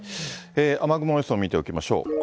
雨雲予想を見ておきましょう。